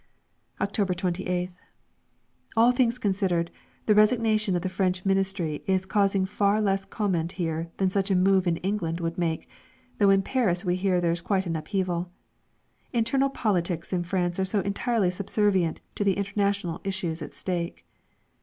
October 28th. All things considered, the resignation of the French Ministry is causing far less comment here than such a move in England would make, though in Paris we hear there is quite an upheaval. Internal politics in France are so entirely subservient to the international issues at stake.